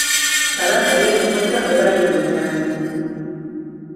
Kabaka yeeroboza oba yeebonanya.